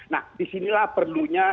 nah disinilah perlunya